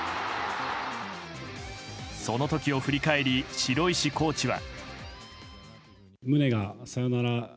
その時を振り返り城石コーチは。